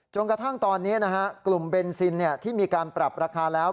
กระทั่งตอนนี้กลุ่มเบนซินที่มีการปรับราคาแล้ว